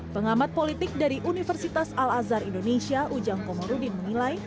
pengamat politik dari universitas al azhar indonesia ujang komarudin menilai